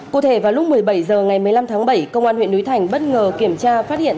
cụ thể vào lúc một mươi bảy h ngày một mươi năm tháng bảy công an huyện núi thành bất ngờ kiểm tra phát hiện